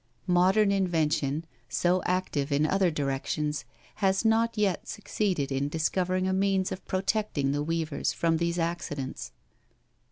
Modern in vention, so active in other directions, has not yet suc ceeded in discovering a means of protecting the weavers from these accidents.